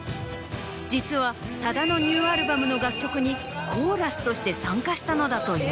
実はさだのニューアルバムの楽曲にコーラスとして参加したのだという。